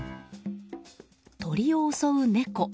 鳥を襲う猫。